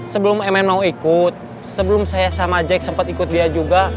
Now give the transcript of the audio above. sebelum mm ikut sebelum saya sama jack sempat ikut dia juga